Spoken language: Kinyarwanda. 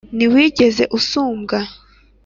Ntiwigeze usumbwa